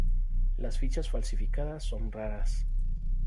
Las fichas falsificadas son raras.